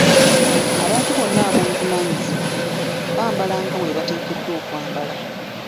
Abantu bonna ab‘obuvunaanyizibwa bambala nga bwe bateekeddwa okwambala.